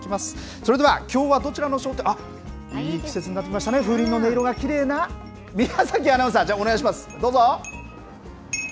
それでは、きょうはどちらの、あっ、いい季節になってきましたね、風鈴の音色がきれいな宮崎アナウンサー、じゃあ、お願いします。